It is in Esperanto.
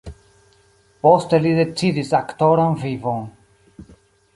Poste li decidis aktoran vivon.